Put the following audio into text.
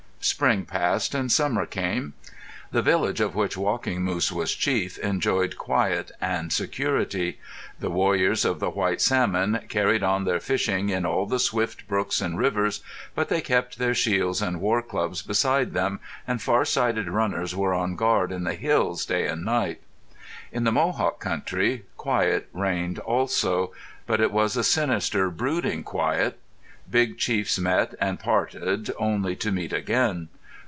Spring passed and summer came. The village of which Walking Moose was chief enjoyed quiet and security. The warriors of the White Salmon carried on their fishing in all the swift brooks and rivers, but they kept their shields and war clubs beside them, and far sighted runners were on guard in the hills, day and night. In the Mohawk country quiet reigned also. But it was a sinister, brooding quiet. Big chiefs met and parted, only to meet again.